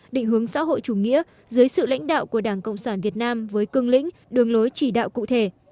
định hướng xã hội chủ nghĩa dưới sự lãnh đạo của đảng cộng sản việt nam với cương lĩnh đường lối chỉ đạo cụ thể